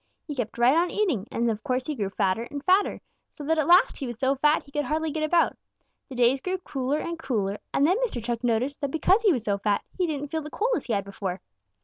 He kept right on eating, and of course he grew fatter and fatter, so that at last he was so fat he could hardly get about. The days grew cooler and cooler, and then Mr. Chuck noticed that because he was so fat, he didn't feel the cold as he had before.